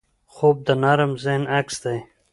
خوب د نرم ذهن عکس دی